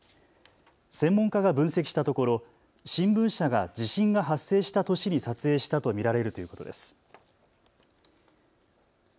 専門家が分析したところ新聞社が地震が発生した年に撮影したと見られるということです。